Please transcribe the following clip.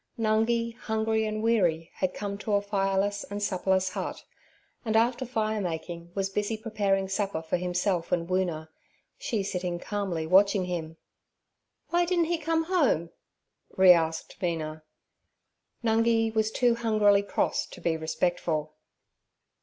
Nungi, hungry and weary, had come to a fireless and supperless hut, and, after firemaking, was busy preparing supper for himself and Woona—she sitting calmly watching him. 'W'y didn't he come home?' re asked Mina. Nungi was too hungrily cross to be respectful.